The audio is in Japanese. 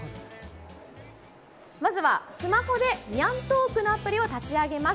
まずはスマホでにゃんトークのアプリを立ち上げます。